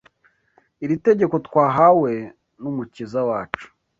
Iri tegeko twahawe n’Umukiza wacu